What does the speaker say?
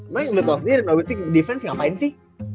emang yang lu tau sendiri nowitzki defense ngapain sih